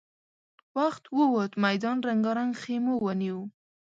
وخت ووت، ميدان رنګارنګ خيمو ونيو.